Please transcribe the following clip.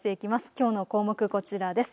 きょうの項目こちらです。